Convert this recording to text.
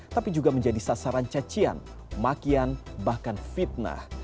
tapi juga menjadi sasaran cacian makian bahkan fitnah